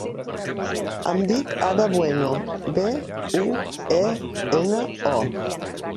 Em dic Ada Bueno: be, u, e, ena, o.